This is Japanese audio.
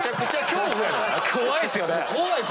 怖いっすよね。